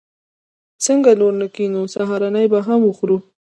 څنګه نور نه کېنو؟ سهارنۍ به هم وخورو.